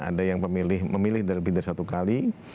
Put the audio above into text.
ada yang memilih lebih dari satu kali